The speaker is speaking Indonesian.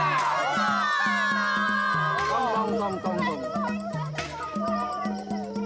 aduh gimana nih